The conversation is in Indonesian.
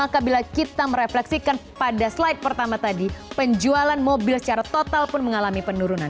maka bila kita merefleksikan pada slide pertama tadi penjualan mobil secara total pun mengalami penurunan